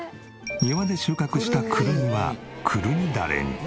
庭で収穫したくるみはくるみダレに。